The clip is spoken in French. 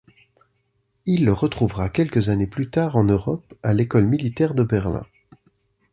Il le retrouvera quelques années plus tard en Europe à l'École militaire de Berlin.